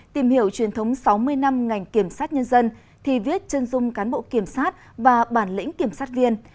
tìm hiểu truyền thống sáu mươi năm ngành kiểm sát nhân dân thi viết chân dung cán bộ kiểm sát và bản lĩnh kiểm sát viên